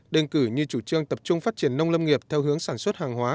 đơn cử như chủ trương tập trung phát triển nông lâm nghiệp theo hướng sản xuất hàng hóa